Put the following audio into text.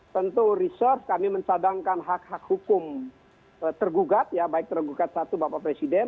tentu research kami mencadangkan hak hak hukum tergugat ya baik tergugat satu bapak presiden